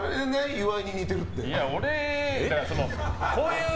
岩井に似てるって。